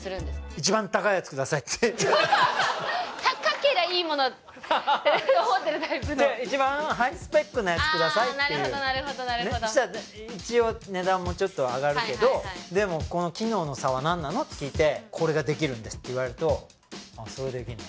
「一番高いやつください」って高けりゃいいものと思ってるタイプの「一番ハイスペックなやつください」って言うねっそしたら一応値段もちょっと上がるけどでも「この機能の差は何なの？」って聞いて「これができるんです」って言われると「あっそれできんの？」